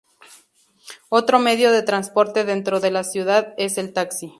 Otro medio de transporte dentro de la ciudad es el taxi.